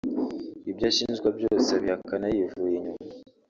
Ibyo ashinjwa byose abihakana yivuye inyuma